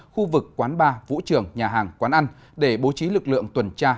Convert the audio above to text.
khu vực quán bar vũ trường nhà hàng quán ăn để bố trí lực lượng tuần tra